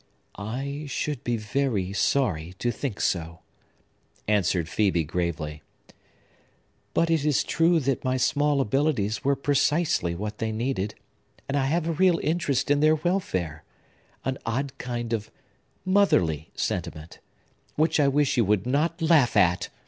"I should be very sorry to think so," answered Phœbe gravely. "But it is true that my small abilities were precisely what they needed; and I have a real interest in their welfare,—an odd kind of motherly sentiment,—which I wish you would not laugh at!